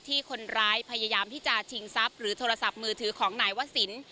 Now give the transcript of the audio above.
คนร้ายพยายามที่จะชิงทรัพย์หรือโทรศัพท์มือถือของนายวศิลป